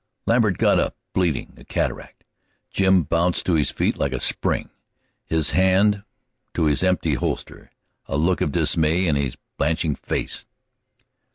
Lambert got up, bleeding a cataract. Jim bounced to his feet like a spring, his hand to his empty holster, a look of dismay in his blanching face.